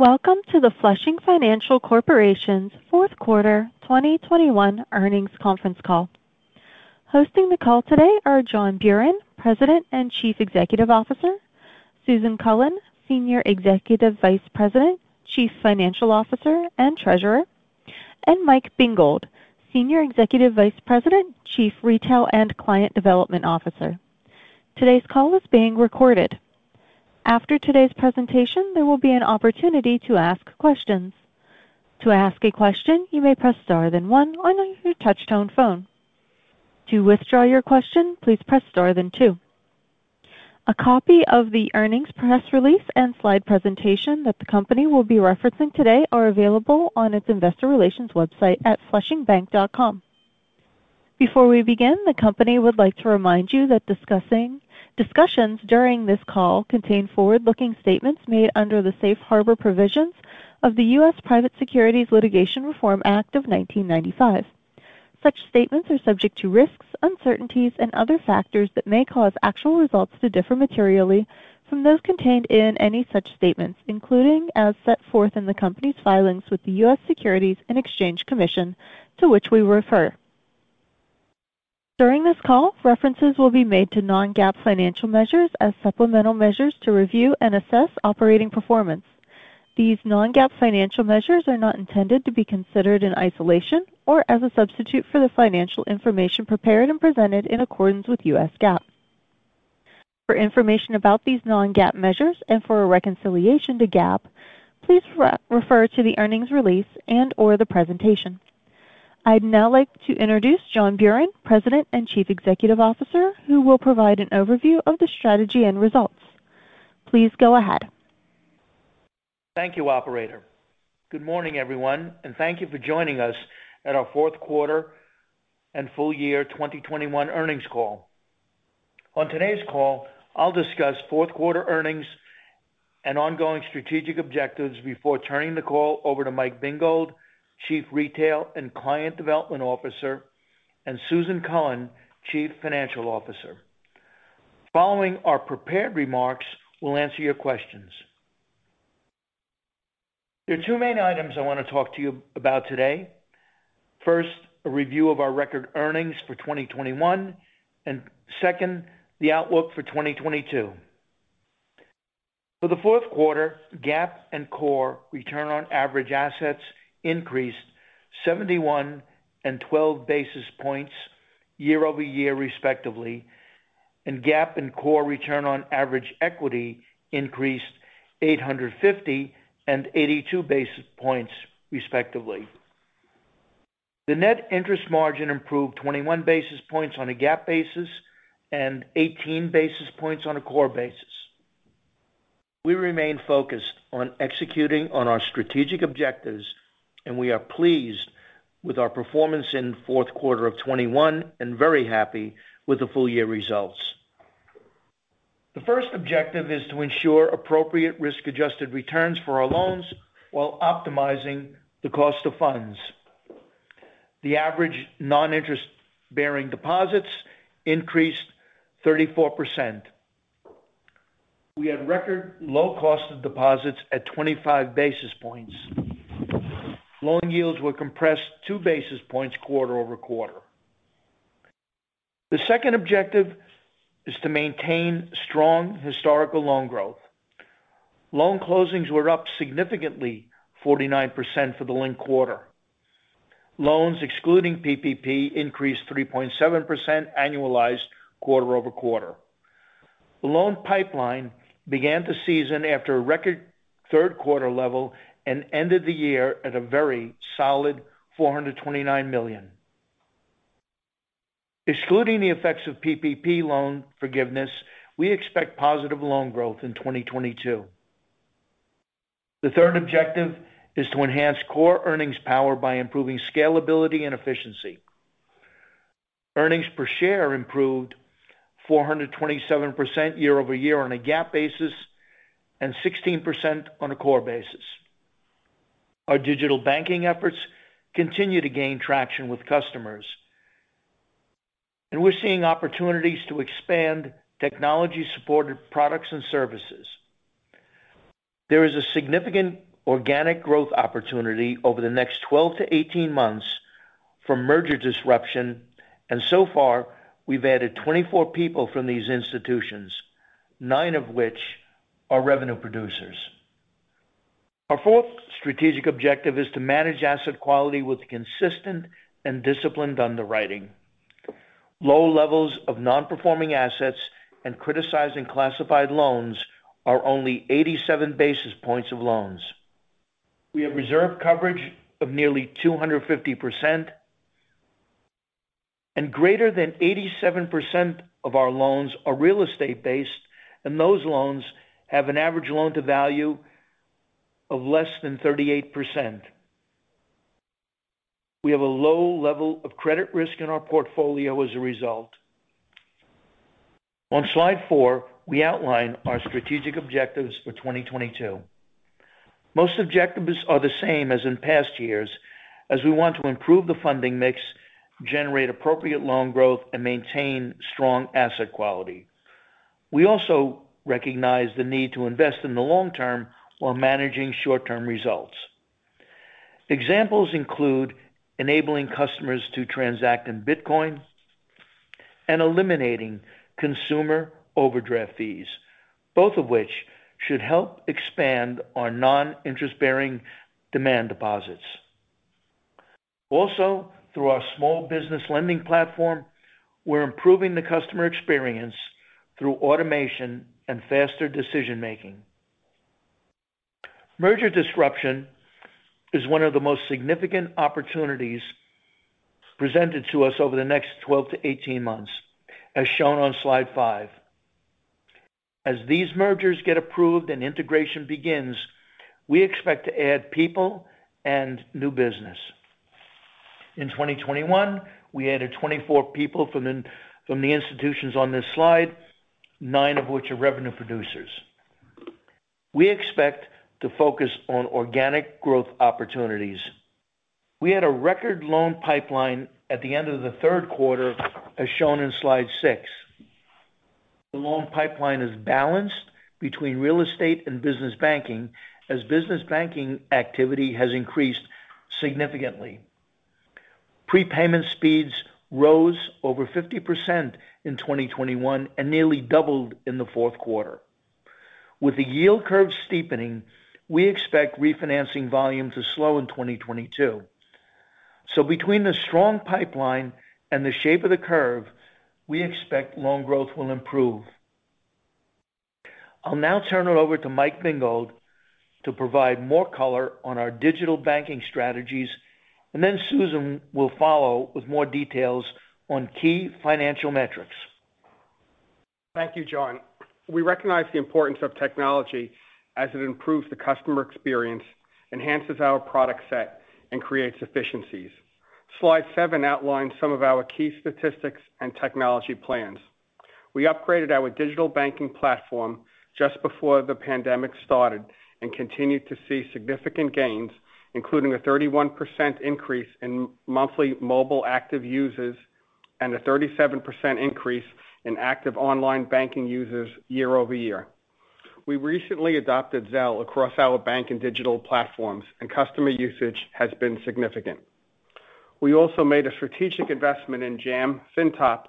Welcome to the Flushing Financial Corporation's fourth quarter 2021 earnings conference call. Hosting the call today are John Buran, President and Chief Executive Officer, Susan Cullen, Senior Executive Vice President, Chief Financial Officer, and Treasurer, and Mike Bingold, Senior Executive Vice President, Chief Retail and Client Development Officer. Today's call is being recorded. After today's presentation, there will be an opportunity to ask questions. To ask a question, you may press Star then one on your touch-tone phone. To withdraw your question, please press Star then two. A copy of the earnings press release and slide presentation that the company will be referencing today are available on its investor relations website at flushingbank.com. Before we begin, the company would like to remind you that discussions during this call contain forward-looking statements made under the safe harbor provisions of the US Private Securities Litigation Reform Act of 1995. Such statements are subject to risks, uncertainties, and other factors that may cause actual results to differ materially from those contained in any such statements, including as set forth in the company's filings with the US Securities and Exchange Commission, to which we refer. During this call, references will be made to non-GAAP financial measures as supplemental measures to review and assess operating performance. These non-GAAP financial measures are not intended to be considered in isolation or as a substitute for the financial information prepared and presented in accordance with US GAAP. For information about these non-GAAP measures and for a reconciliation to GAAP, please refer to the earnings release and/or the presentation. I'd now like to introduce John Buran, President and Chief Executive Officer, who will provide an overview of the strategy and results. Please go ahead. Thank you, operator. Good morning, everyone, and thank you for joining us at our fourth quarter and full year 2021 earnings call. On today's call, I'll discuss fourth quarter earnings and ongoing strategic objectives before turning the call over to Mike Bingold, Chief Retail and Client Development Officer, and Susan Cullen, Chief Financial Officer. Following our prepared remarks, we'll answer your questions. There are two main items I want to talk to you about today. First, a review of our record earnings for 2021, and second, the outlook for 2022. For the fourth quarter, GAAP and core return on average assets increased 71 and 12 basis points year-over-year, respectively, and GAAP and core return on average equity increased 850 and 82 basis points, respectively. The net interest margin improved 21 basis points on a GAAP basis and 18 basis points on a core basis. We remain focused on executing on our strategic objectives, and we are pleased with our performance in fourth quarter of 2021 and very happy with the full year results. The first objective is to ensure appropriate risk-adjusted returns for our loans while optimizing the cost of funds. The average non-interest-bearing deposits increased 34%. We had record low cost of deposits at 25 basis points. Loan yields were compressed 2 basis points quarter-over-quarter. The second objective is to maintain strong historical loan growth. Loan closings were up significantly 49% for the linked quarter. Loans excluding PPP increased 3.7% annualized quarter-over-quarter. The loan pipeline began to season after a record third quarter level and ended the year at a very solid $429 million. Excluding the effects of PPP loan forgiveness, we expect positive loan growth in 2022. The third objective is to enhance core earnings power by improving scalability and efficiency. Earnings per share improved 427% year-over-year on a GAAP basis and 16% on a core basis. Our digital banking efforts continue to gain traction with customers, and we're seeing opportunities to expand technology-supported products and services. There is a significant organic growth opportunity over the next 12-18 months for merger disruption, and so far, we've added 24 people from these institutions, 9 of which are revenue producers. Our fourth strategic objective is to manage asset quality with consistent and disciplined underwriting. Low levels of non-performing assets and criticized classified loans are only 87 basis points of loans. We have reserve coverage of nearly 250%, and greater than 87% of our loans are real estate-based, and those loans have an average loan-to-value of less than 38%. We have a low level of credit risk in our portfolio as a result. On slide 4, we outline our strategic objectives for 2022. Most objectives are the same as in past years as we want to improve the funding mix, generate appropriate loan growth, and maintain strong asset quality. We also recognize the need to invest in the long term while managing short-term results. Examples include enabling customers to transact in Bitcoin and eliminating consumer overdraft fees, both of which should help expand our non-interest-bearing demand deposits. Also, through our small business lending platform, we're improving the customer experience through automation and faster decision-making. Merger disruption is one of the most significant opportunities presented to us over the next 12-18 months, as shown on slide 5. As these mergers get approved and integration begins, we expect to add people and new business. In 2021, we added 24 people from the institutions on this slide, nine of which are revenue producers. We expect to focus on organic growth opportunities. We had a record loan pipeline at the end of the third quarter, as shown in slide 6. The loan pipeline is balanced between real estate and business banking, as business banking activity has increased significantly. Prepayment speeds rose over 50% in 2021 and nearly doubled in the fourth quarter. With the yield curve steepening, we expect refinancing volume to slow in 2022. Between the strong pipeline and the shape of the curve, we expect loan growth will improve. I'll now turn it over to Mike Bingold to provide more color on our digital banking strategies, and then Susan will follow with more details on key financial metrics. Thank you, John. We recognize the importance of technology as it improves the customer experience, enhances our product set, and creates efficiencies. Slide 7 outlines some of our key statistics and technology plans. We upgraded our digital banking platform just before the pandemic started and continued to see significant gains, including a 31% increase in monthly mobile active users and a 37% increase in active online banking users year-over-year. We recently adopted Zelle across our bank and digital platforms, and customer usage has been significant. We also made a strategic investment in JAM FINTOP.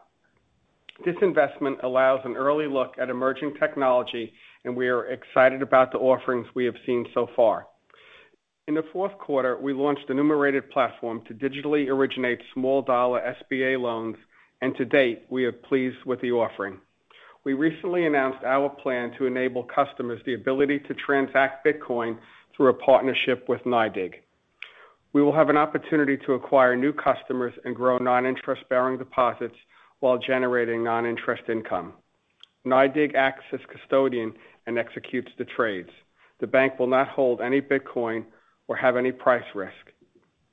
This investment allows an early look at emerging technology, and we are excited about the offerings we have seen so far. In the fourth quarter, we launched a Numerated platform to digitally originate small dollar SBA loans, and to date, we are pleased with the offering. We recently announced our plan to enable customers the ability to transact Bitcoin through a partnership with NYDIG. We will have an opportunity to acquire new customers and grow non-interest-bearing deposits while generating non-interest income. NYDIG acts as custodian and executes the trades. The bank will not hold any Bitcoin or have any price risk.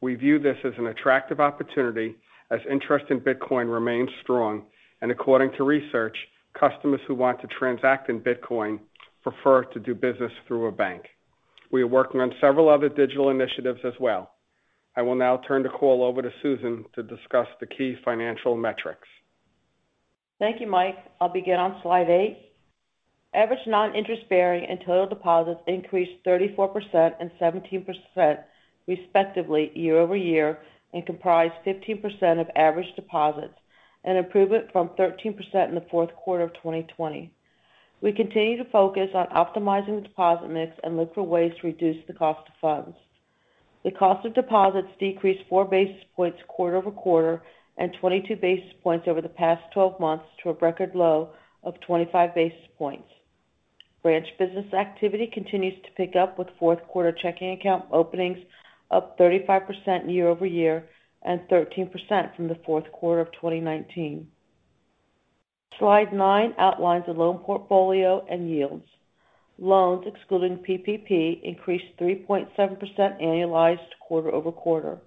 We view this as an attractive opportunity as interest in Bitcoin remains strong. According to research, customers who want to transact in Bitcoin prefer to do business through a bank. We are working on several other digital initiatives as well. I will now turn the call over to Susan to discuss the key financial metrics. Thank you, Mike. I'll begin on slide 8. Average non-interest-bearing and total deposits increased 34% and 17% respectively year-over-year and comprised 15% of average deposits, an improvement from 13% in the fourth quarter of 2020. We continue to focus on optimizing the deposit mix and look for ways to reduce the cost of funds. The cost of deposits decreased 4 basis points quarter-over-quarter and 22 basis points over the past twelve months to a record low of 25 basis points. Branch business activity continues to pick up with fourth quarter checking account openings up 35% year-over-year and 13% from the fourth quarter of 2019. Slide 9 outlines the loan portfolio and yields. Loans, excluding PPP, increased 3.7% annualized quarter-over-quarter.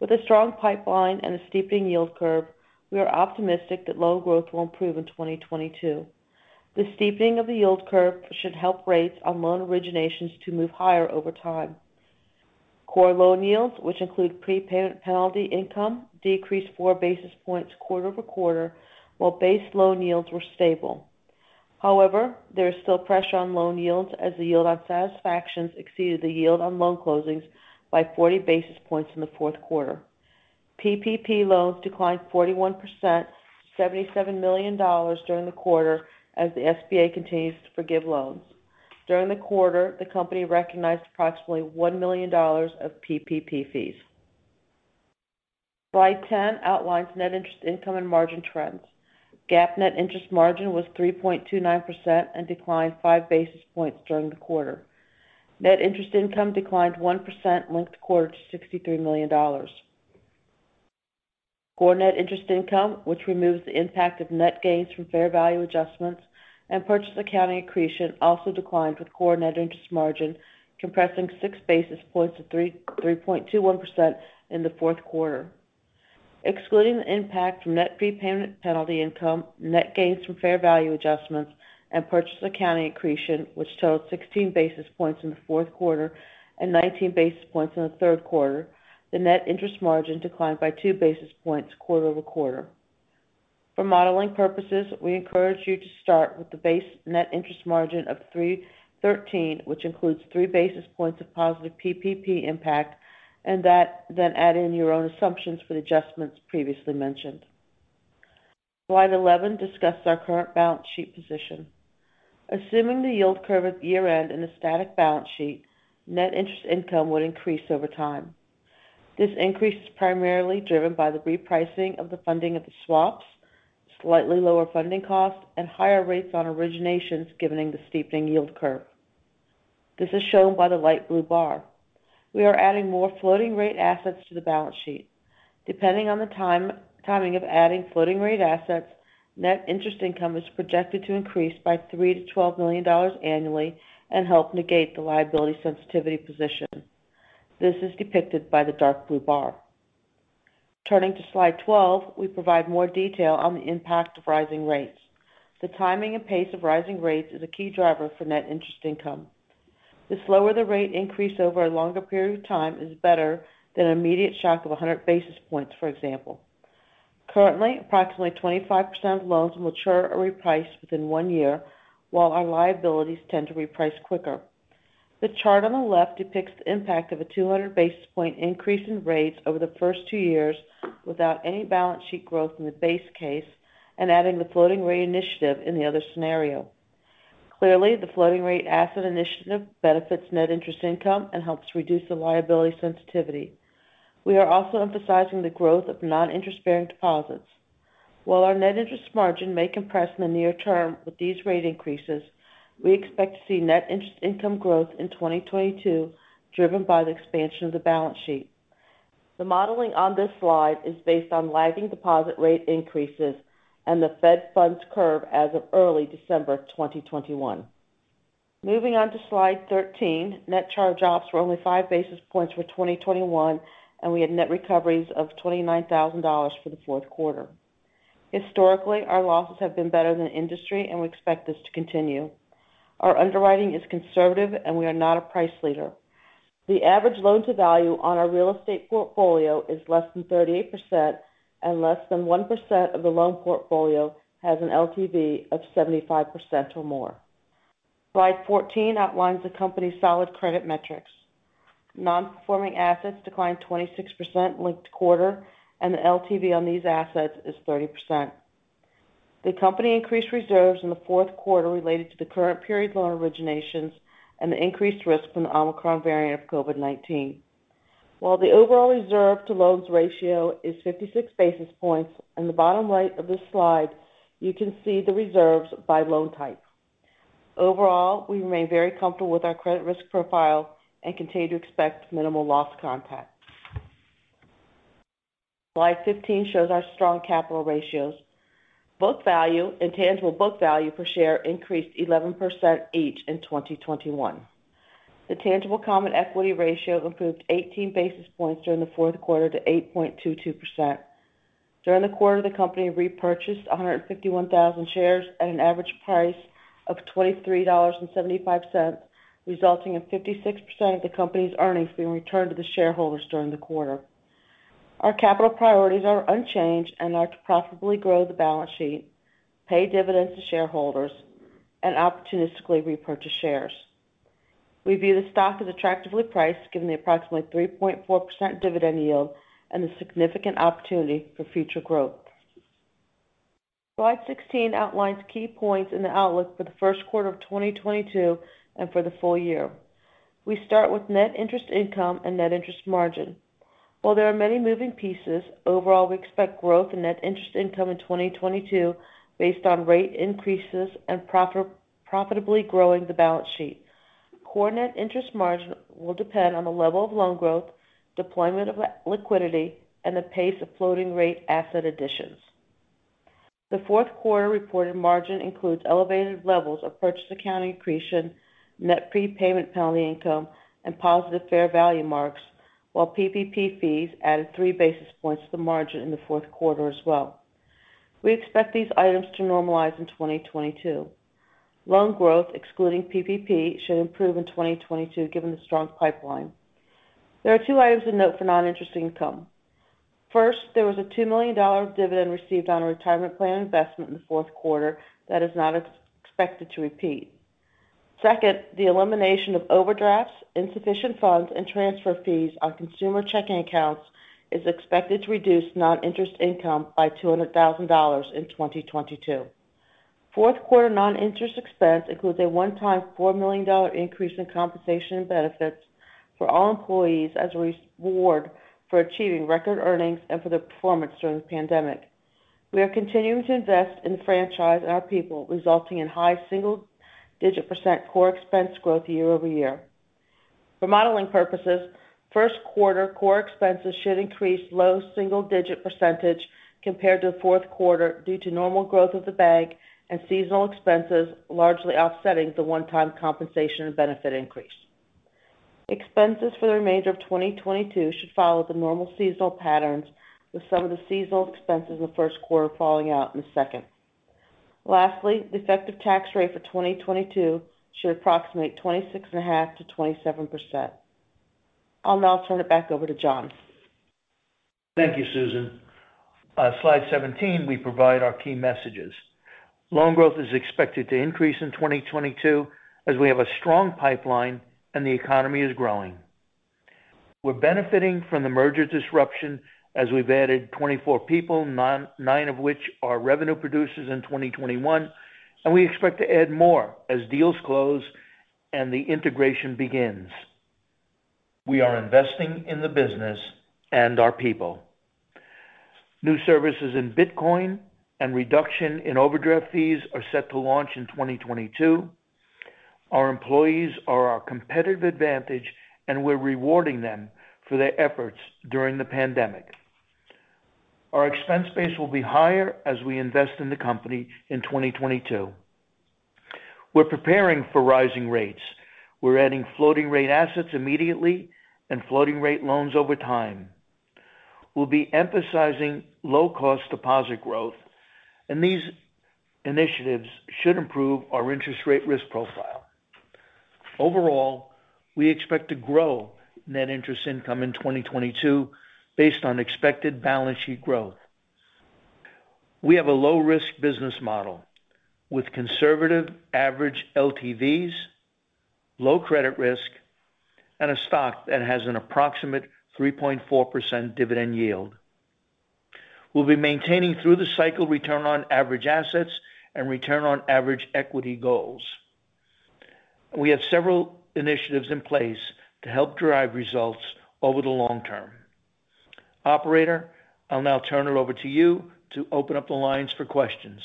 With a strong pipeline and a steepening yield curve, we are optimistic that loan growth will improve in 2022. The steepening of the yield curve should help rates on loan originations to move higher over time. Core loan yields, which include prepayment penalty income, decreased 4 basis points quarter-over-quarter, while base loan yields were stable. However, there is still pressure on loan yields as the yield on satisfactions exceeded the yield on loan closings by 40 basis points in the fourth quarter. PPP loans declined 41%, $77 million during the quarter as the SBA continues to forgive loans. During the quarter, the company recognized approximately $1 million of PPP fees. Slide 10 outlines net interest income and margin trends. GAAP net interest margin was 3.29% and declined 5 basis points during the quarter. Net interest income declined 1% linked quarter to $63 million. Core net interest income, which removes the impact of net gains from fair value adjustments and purchase accounting accretion, also declined, with core net interest margin compressing 6 basis points to 3.21% in the fourth quarter. Excluding the impact from net prepayment penalty income, net gains from fair value adjustments, and purchase accounting accretion, which totaled 16 basis points in the fourth quarter and 19 basis points in the third quarter, the net interest margin declined by 2 basis points quarter-over-quarter. For modeling purposes, we encourage you to start with the base net interest margin of 3.13%, which includes 3 basis points of positive PPP impact, and then add in your own assumptions for the adjustments previously mentioned. Slide 11 discusses our current balance sheet position. Assuming the yield curve at year-end in a static balance sheet, net interest income would increase over time. This increase is primarily driven by the repricing of the funding of the swaps, slightly lower funding costs, and higher rates on originations given the steepening yield curve. This is shown by the light blue bar. We are adding more floating rate assets to the balance sheet. Depending on the timing of adding floating rate assets, net interest income is projected to increase by $3 million-$12 million annually and help negate the liability sensitivity position. This is depicted by the dark blue bar. Turning to slide 12, we provide more detail on the impact of rising rates. The timing and pace of rising rates is a key driver for net interest income. The slower the rate increase over a longer period of time is better than an immediate shock of 100 basis points, for example. Currently, approximately 25% of loans will mature or reprice within one year, while our liabilities tend to reprice quicker. The chart on the left depicts the impact of a 200 basis point increase in rates over the first two years without any balance sheet growth in the base case and adding the floating rate initiative in the other scenario. Clearly, the floating rate asset initiative benefits net interest income and helps reduce the liability sensitivity. We are also emphasizing the growth of non-interest-bearing deposits. While our net interest margin may compress in the near term with these rate increases, we expect to see net interest income growth in 2022, driven by the expansion of the balance sheet. The modeling on this slide is based on lagging deposit rate increases and the Fed funds curve as of early December 2021. Moving on to slide 13, net charge-offs were only 5 basis points for 2021, and we had net recoveries of $29,000 for the fourth quarter. Historically, our losses have been better than the industry, and we expect this to continue. Our underwriting is conservative, and we are not a price leader. The average loan-to-value on our real estate portfolio is less than 38%, and less than 1% of the loan portfolio has an LTV of 75% or more. Slide 14 outlines the company's solid credit metrics. Non-performing assets declined 26% linked quarter, and the LTV on these assets is 30%. The company increased reserves in the fourth quarter related to the current period loan originations and the increased risk from the Omicron variant of COVID-19. While the overall reserve to loans ratio is 56 basis points, in the bottom right of this slide, you can see the reserves by loan type. Overall, we remain very comfortable with our credit risk profile and continue to expect minimal loss content. Slide 15 shows our strong capital ratios. Book value and tangible book value per share increased 11% each in 2021. The tangible common equity ratio improved 18 basis points during the fourth quarter to 8.22%. During the quarter, the company repurchased 151,000 shares at an average price of $23.75, resulting in 56% of the company's earnings being returned to the shareholders during the quarter. Our capital priorities are unchanged and are to profitably grow the balance sheet, pay dividends to shareholders, and opportunistically repurchase shares. We view the stock as attractively priced, given the approximately 3.4% dividend yield and the significant opportunity for future growth. Slide 16 outlines key points in the outlook for the first quarter of 2022 and for the full year. We start with net interest income and net interest margin. While there are many moving pieces, overall, we expect growth in net interest income in 2022 based on rate increases and profitably growing the balance sheet. Core net interest margin will depend on the level of loan growth, deployment of liquidity, and the pace of floating rate asset additions. The fourth quarter reported margin includes elevated levels of purchase accounting accretion, net prepayment penalty income, and positive fair value marks, while PPP fees added 3 basis points to the margin in the fourth quarter as well. We expect these items to normalize in 2022. Loan growth, excluding PPP, should improve in 2022, given the strong pipeline. There are two items of note for non-interest income. First, there was a $2 million dividend received on a retirement plan investment in the fourth quarter that is not expected to repeat. Second, the elimination of overdrafts, insufficient funds, and transfer fees on consumer checking accounts is expected to reduce non-interest income by $200,000 in 2022. Fourth-quarter non-interest expense includes a one-time $4 million increase in compensation and benefits for all employees as a reward for achieving record earnings and for their performance during the pandemic. We are continuing to invest in the franchise and our people, resulting in high single-digit percent core expense growth year-over-year. For modeling purposes, first-quarter core expenses should increase low single-digit percentage compared to the fourth quarter due to normal growth of the bank and seasonal expenses largely offsetting the one-time compensation and benefit increase. Expenses for the remainder of 2022 should follow the normal seasonal patterns, with some of the seasonal expenses in the first quarter falling out in the second. Lastly, the effective tax rate for 2022 should approximate 26.5%-27%. I'll now turn it back over to John. Thank you, Susan. On slide 17, we provide our key messages. Loan growth is expected to increase in 2022 as we have a strong pipeline and the economy is growing. We're benefiting from the merger disruption as we've added 24 people, nine of which are revenue producers in 2021, and we expect to add more as deals close and the integration begins. We are investing in the business and our people. New services in Bitcoin and reduction in overdraft fees are set to launch in 2022. Our employees are our competitive advantage, and we're rewarding them for their efforts during the pandemic. Our expense base will be higher as we invest in the company in 2022. We're preparing for rising rates. We're adding floating rate assets immediately and floating rate loans over time. We'll be emphasizing low cost deposit growth, and these initiatives should improve our interest rate risk profile. Overall, we expect to grow net interest income in 2022 based on expected balance sheet growth. We have a low risk business model with conservative average LTVs, low credit risk, and a stock that has an approximate 3.4% dividend yield. We'll be maintaining through the cycle return on average assets and return on average equity goals. We have several initiatives in place to help drive results over the long term. Operator, I'll now turn it over to you to open up the lines for questions.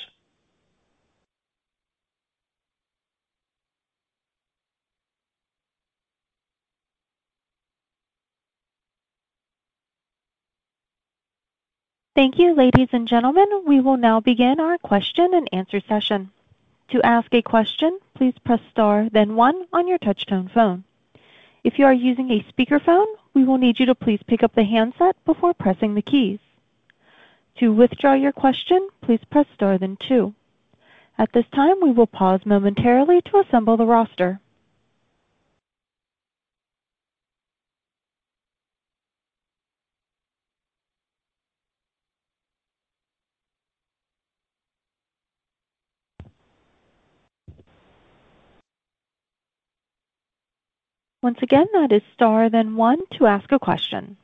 Thank you, ladies and gentlemen. We will now begin our question-and-answer session. To ask a question, please press star then one on your touchtone phone. If you are using a speakerphone, we will need you to please pick up the handset before pressing the keys. To withdraw your question, please press star then two. At this time, we will pause momentarily to assemble the roster. Once again, that is star then one to ask a question.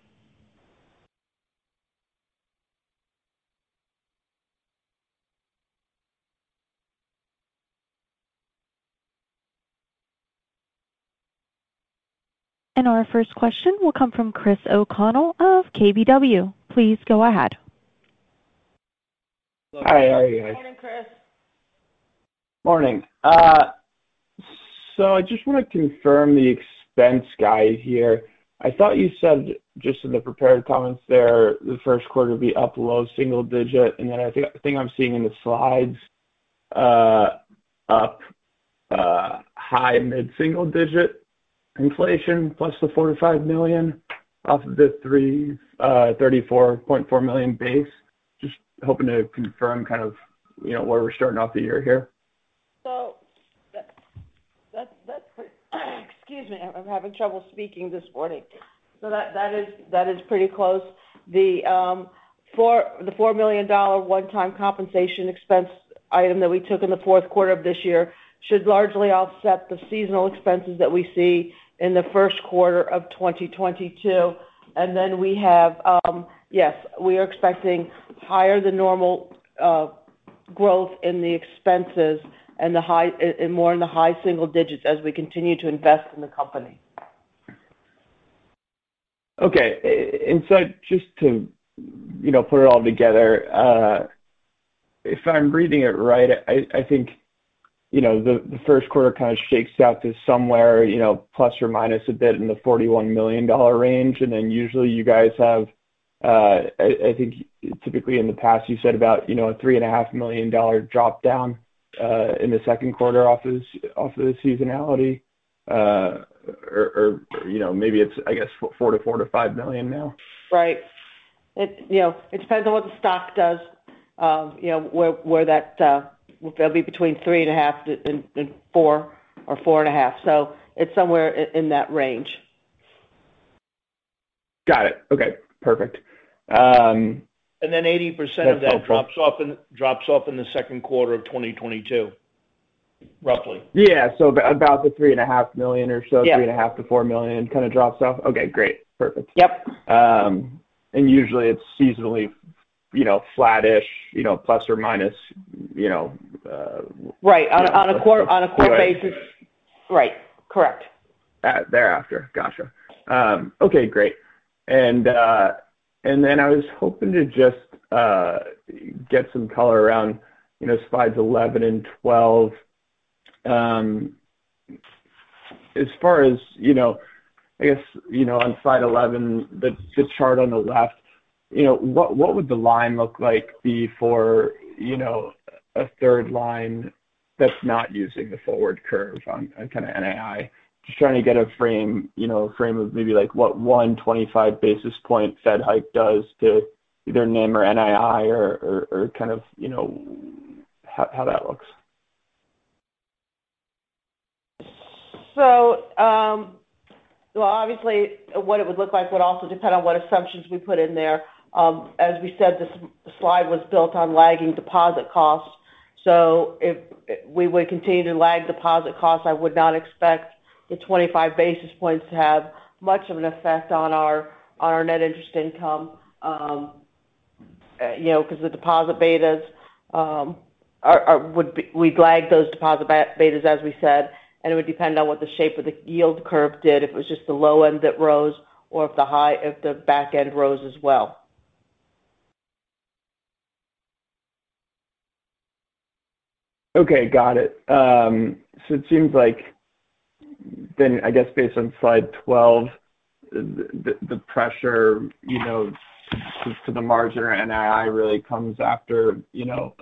Our first question will come from Chris O'Connell of KBW. Please go ahead. Hi, how are you guys? Morning, Chris. Morning. I just want to confirm the expense guide here. I thought you said just in the prepared comments there, the first quarter will be up low-single-digit. I think the thing I'm seeing in the slides up high mid-single-digit inflation plus the $45 million off of the $34.4 million base. Just hoping to confirm, you know, where we're starting off the year here. That's pretty close. Excuse me, I'm having trouble speaking this morning. The $4 million one-time compensation expense item that we took in the fourth quarter of this year should largely offset the seasonal expenses that we see in the first quarter of 2022. We are expecting higher than normal growth in the expenses, more in the high single digits, as we continue to invest in the company. Okay. Just to, you know, put it all together, if I'm reading it right, I think, you know, the first quarter kind of shakes out to somewhere, you know, $±41 million range. Then usually you guys have, I think typically in the past, you said about, you know, a $3.5 million drop down in the second quarter off of the seasonality. Or, you know, maybe it's, I guess $4 million-$5 million now. Right. It, you know, it depends on what the stock does. You know, it'll be between $3.5 million and $4 million or $4.5 million. So it's somewhere in that range. Got it. Okay, perfect. 80% of that drops off in the second quarter of 2022, roughly. Yeah. About the $3.5 million or so. Yeah. $3.5 million-$4 million kind of drops off. Okay, great. Perfect. Yep. Usually it's seasonally, you know, flattish, you know, plus or minus, you know. Right. On a quarter basis. Right. Correct. Thereafter. Gotcha. Okay, great. Then I was hoping to just get some color around, you know, slides 11 and 12. As far as, you know, I guess you know, on slide 11, the chart on the left. You know, what would the line look like before, you know, a third line that's not using the forward curve on kind of NII? Just trying to get a frame, you know, of maybe like what 125 basis point Fed hike does to either NIM or NII or kind of, you know, how that looks. Well, obviously what it would look like would also depend on what assumptions we put in there. As we said, this slide was built on lagging deposit costs. If we would continue to lag deposit costs, I would not expect the 25 basis points to have much of an effect on our net interest income, you know, because we'd lag those deposit betas, as we said, and it would depend on what the shape of the yield curve did, if it was just the low end that rose or if the back end rose as well. Okay. Got it. It seems like then, I guess based on slide 12, the pressure, you know, to the margin or NII really comes after, you know,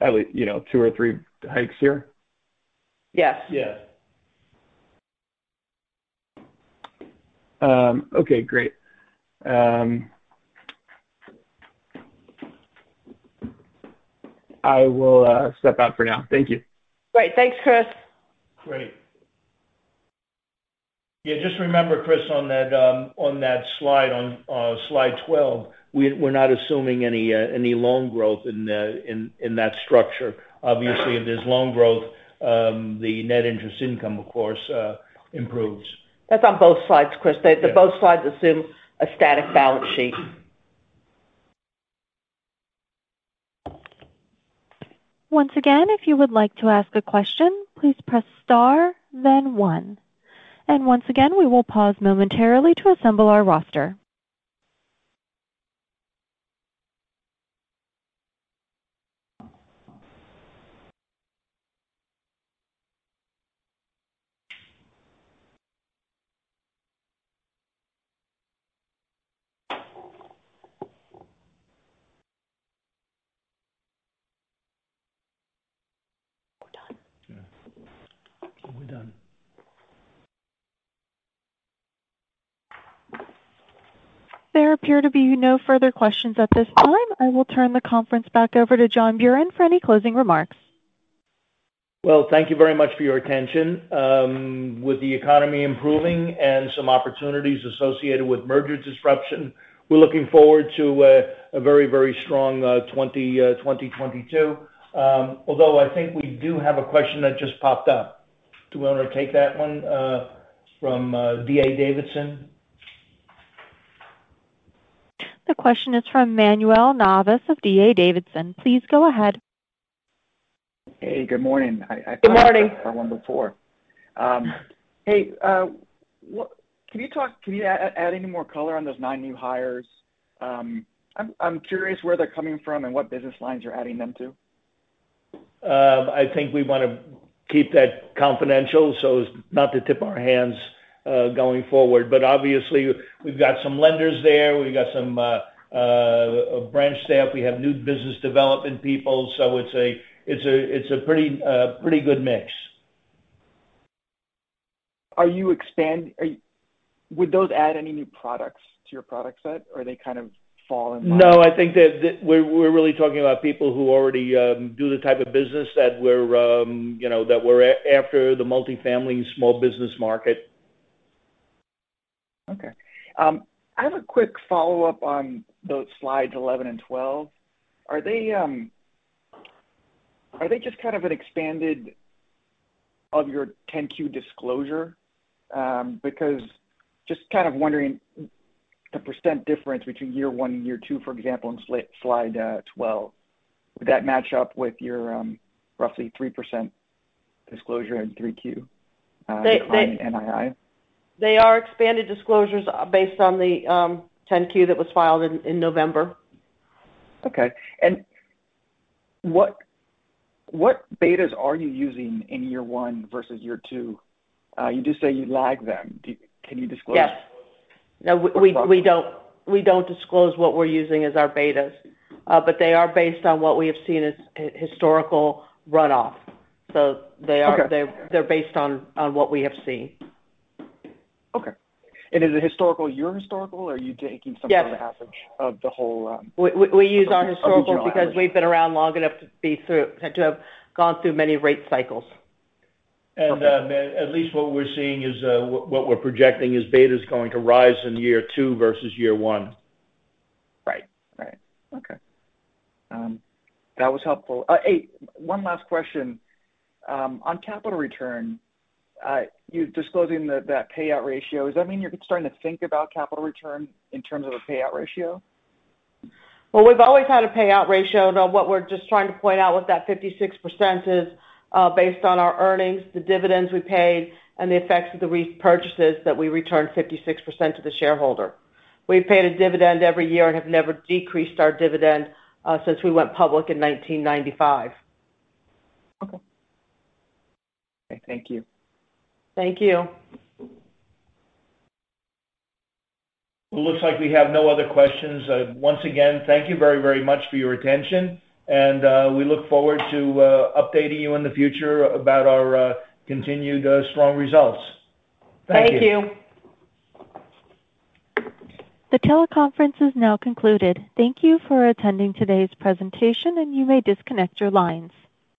at least two or three hikes here. Yes. Yes. Okay, great. I will step out for now. Thank you. Great. Thanks, Chris. Great. Yeah, just remember, Chris, on that slide 12, we're not assuming any loan growth in that structure. Obviously, if there's loan growth, the net interest income of course improves. That's on both slides, Chris. Both slides assume a static balance sheet. Once again, if you would like to ask a question, please press star then one. And once again, we will pause momentarily to assemble our roster. We're done. Yeah. We're done. There appear to be no further questions at this time. I will turn the conference back over to John Buran for any closing remarks. Well, thank you very much for your attention. With the economy improving and some opportunities associated with merger disruption, we're looking forward to a very, very strong 2022. Although I think we do have a question that just popped up. Do we want to take that one from D.A. Davidson? The question is from Manuel Navas of D.A. Davidson. Please go ahead. Hey, good morning. Good morning. I think I had one before. Hey, can you add any more color on those nine new hires? I'm curious where they're coming from and what business lines you're adding them to. I think we want to keep that confidential so as not to tip our hands going forward. Obviously we've got some lenders there. We've got some branch staff. We have new business development people. It's a pretty good mix. Would those add any new products to your product set or they kind of fall in line? No, I think that we're really talking about people who already do the type of business that we're, you know, that we're after, the multifamily small business market. Okay. I have a quick follow-up on those slides 11 and 12. Are they just kind of an expansion of your 10-Q disclosure? Because just kind of wondering the percent difference between year one and year two, for example, in slide 12. Would that match up with your roughly 3% disclosure in 3Q on NII? They are expanded disclosures based on the 10-Q that was filed in November. Okay. What betas are you using in year one versus year two? You just say you lag them. Can you disclose? Yes. No, we don't disclose what we're using as our betas, but they are based on what we have seen as historical runoff. They are- Okay. They're based on what we have seen. Okay. Is it historical your historical or are you taking some- Yes. kind of average of the whole We use our historical- Of the industry. because we've been around long enough to have gone through many rate cycles. At least what we're seeing is what we're projecting is beta's going to rise in year two versus year one. Right. Okay. That was helpful. Hey, one last question. On capital return, you're disclosing that payout ratio. Does that mean you're starting to think about capital return in terms of a payout ratio? Well, we've always had a payout ratio. Now what we're just trying to point out with that 56% is, based on our earnings, the dividends we paid and the effects of the repurchases that we returned 56% to the shareholder. We've paid a dividend every year and have never decreased our dividend, since we went public in 1995. Okay. Thank you. Thank you. It looks like we have no other questions. Once again, thank you very, very much for your attention, and we look forward to updating you in the future about our continued strong results. Thank you. Thank you. The teleconference is now concluded. Thank you for attending today's presentation, and you may disconnect your lines.